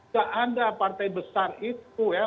gak ada partai besar itu ya